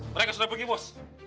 mereka sudah pergi bos